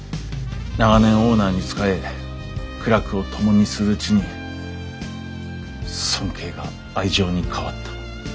長年オーナーに仕え苦楽を共にするうちに尊敬が愛情に変わった。